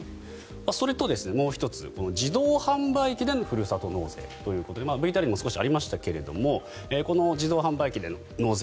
それともう１つ、自動販売機でふるさと納税ということでＶＴＲにも少しありましたがこの自動販売機での納税